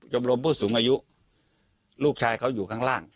ชมรมผู้สูงอายุลูกชายเขาอยู่ข้างล่าง